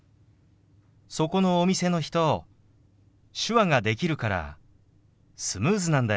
そこのお店の人手話ができるからスムーズなんだよ。